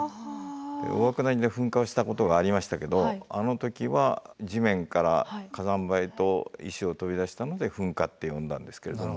大涌谷で噴火をしたことがありましたけどあの時は地面から火山灰と石を取り出したので噴火って呼んだんですけれども。